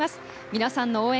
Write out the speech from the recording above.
皆さんの応援